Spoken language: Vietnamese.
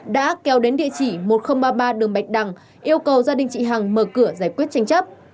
đã kéo đến địa chỉ một nghìn ba mươi ba đường bạch đằng yêu cầu gia đình chị hằng mở cửa giải quyết tranh chấp